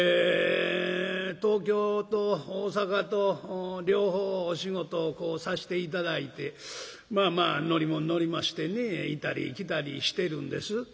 東京と大阪と両方お仕事をさして頂いてまあまあ乗り物乗りましてね行ったり来たりしてるんです。